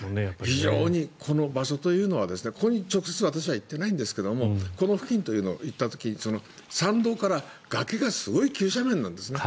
非常にこの場所というのはここに私は直接は行ってないんですがこの付近というのに行った時に山道から崖がすごく急斜面なんですね。